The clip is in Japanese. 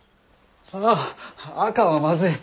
ああ赤はまずい。